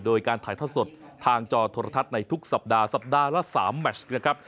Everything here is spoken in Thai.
โดยการถ่ายทอดสดทางจอโทรทัศน์ในทุกสัปดาห์สัปดาห์ละ๓แมชนะครับ